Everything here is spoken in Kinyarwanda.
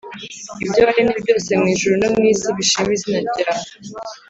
Ibyo waremye byose mu ijuru no mu isi bishime izina ryawe